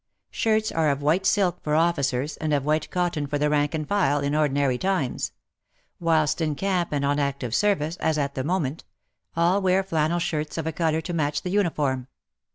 Shirts are of white silk for officers and of white cotton for the rank and file, in ordinary times ; whilst in camp and on active service, as at that moment, all wear flannel shirts of a colour to match the uniform.